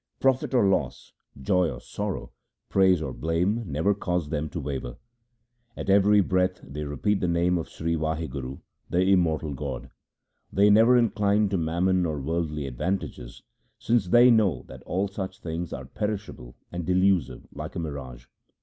Profit or loss, joy or sorrow, praise or blame never cause them to waver. At every breath they repeat the Name of Sri Wahguru, the immortal God. They never incline to mammon or worldly advantages, since they know that all such things are perishable and delusive like a mirage.